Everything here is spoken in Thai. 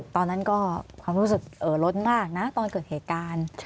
ตอนนั้นก็ความรู้สึกลดมากนะตอนเกิดเหตุการณ์